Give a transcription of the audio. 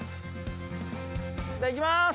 じゃあいきます！